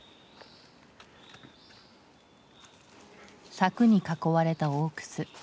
柵に囲われた大楠。